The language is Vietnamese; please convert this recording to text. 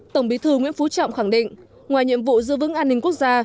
tổng bí thư nguyễn phú trọng khẳng định ngoài nhiệm vụ giữ vững an ninh quốc gia